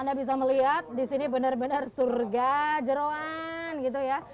anda bisa melihat di sini benar benar surga jeruan gitu ya